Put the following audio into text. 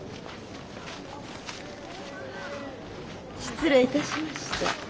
失礼致しました。